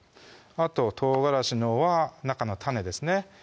あと唐辛子のほうは中の種ですね